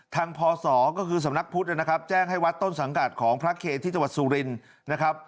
พศก็คือสำนักพุทธนะครับแจ้งให้วัดต้นสังกัดของพระเคที่จังหวัดสุรินนะครับ